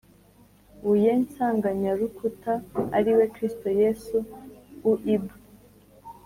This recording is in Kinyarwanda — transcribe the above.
buye nsanganyarukuta ari we kristo yesu uib